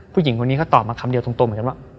ผู้หญิงคนนี้ก็ตอบมาคำเดียวตรงเหมือนกันว่า